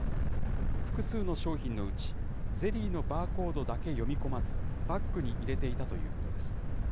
複数の商品のうち、ゼリーのバーコードだけ読み込まず、バッグに入れていたということです。